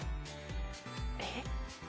えっ？